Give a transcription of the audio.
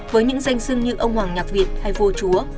với những danh sưng như ông hoàng nhạc việt hay vua chúa